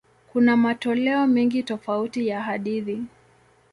Kuna matoleo mengi tofauti ya hadithi.